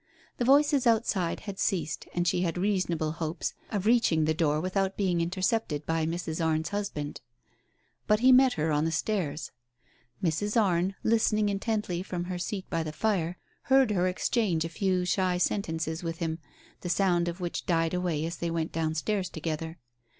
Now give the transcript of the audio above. The voices outside had ceased, and she had reasonable hopes of reaching the door without being intercepted by Mrs. Arne's husband. But he met her on the stairs. Mrs. Arne, listening intently from her seat by the fire, heard her exchange a few shy sentences with him, the sound of which died away as they went downstairs together.